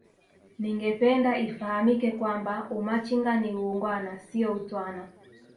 ningependa ifahamike kwamba Umachinga ni uungwana sio utwana